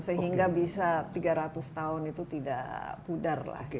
sehingga bisa tiga ratus tahun itu tidak pudar lah